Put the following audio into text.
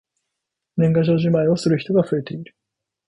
年賀状じまいをする人が増えている。